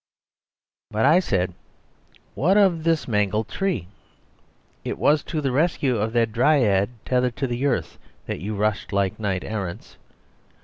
"But," I said, "what of this mangled tree? It was to the rescue of that Dryad, tethered to the earth, that you rushed like knight errants.